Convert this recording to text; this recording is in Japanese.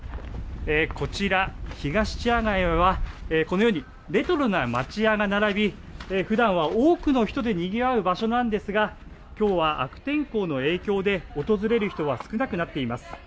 こちら、ひがし茶屋街は、このようにレトロな町屋が並び、ふだんは多くの人でにぎわう場所なんですが、きょうは悪天候の影響で、訪れる人は少なくなっています。